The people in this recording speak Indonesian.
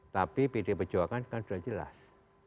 tapi pdi perjuangan kan sudah jelas